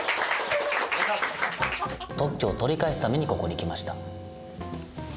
特許を取り返すためにここに来ました。